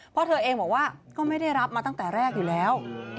เพราะเธอเองบอกว่าก็ไม่ได้รับมาตั้งแต่แรกอยู่แล้ว